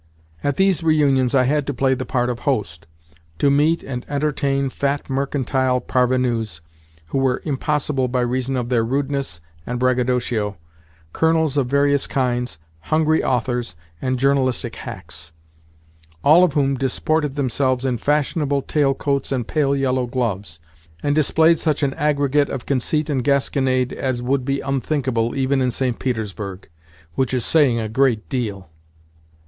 At these reunions I had to play the part of host—to meet and entertain fat mercantile parvenus who were impossible by reason of their rudeness and braggadocio, colonels of various kinds, hungry authors, and journalistic hacks—all of whom disported themselves in fashionable tailcoats and pale yellow gloves, and displayed such an aggregate of conceit and gasconade as would be unthinkable even in St. Petersburg—which is saying a great deal!